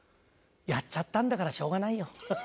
やっちゃったんだからしょうがないよ。